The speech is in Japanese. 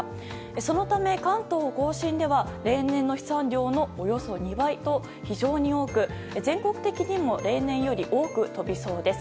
そのため関東・甲信では例年の飛散量のおよそ２倍と非常に多く全国的にも例年より多く飛びそうです。